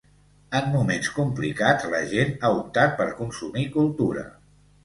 En moments complicats, la gent ha optat per consumir cultura.